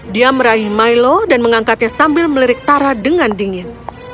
dia meraih milo dan mengangkatnya sambil melirik tara dengan dingin